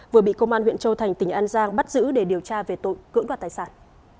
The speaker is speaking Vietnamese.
vừa bị công an huyện châu thành tỉnh an giang bắt giữ để điều tra về tội cưỡng đoạt tài sản